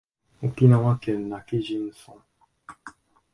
沖縄県今帰仁村